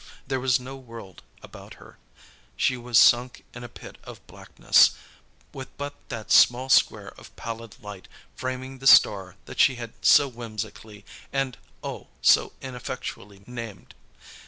There was no world about her. She was sunk in a pit of blackness, with but that small square of pallid light framing the star that she had so whimsically and oh, so ineffectually named.